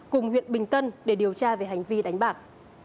cùng huyện bình tân để điều tra về hành vi đánh bạc